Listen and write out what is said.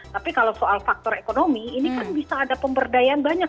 tapi kalau soal faktor ekonomi ini kan bisa ada pemberdayaan banyak